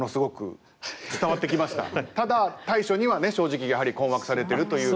ただ対処にはね正直やはり困惑されてるという。